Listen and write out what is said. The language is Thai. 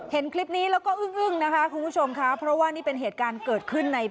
เห็นคลิปนี้แล้วก็อึ้งอึ้งนะคะคุณผู้ชมค่ะเพราะว่านี่เป็นเหตุการณ์เกิดขึ้นใน